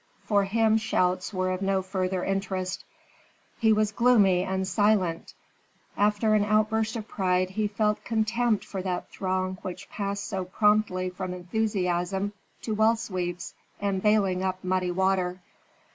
For him shouts were of no further interest. He was gloomy and silent. After an outburst of pride, he felt contempt for that throng which passed so promptly from enthusiasm to well sweeps and baling up muddy water.